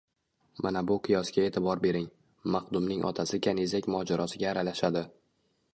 Mana bu qiyosga e’tibor bering: maxdumning otasi kanizak mojorosiga aralashadi